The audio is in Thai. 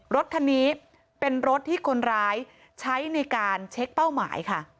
รถคันนี้เป็นรถที่คนร้ายใช้ในการเช็คเป้าหมายค่ะ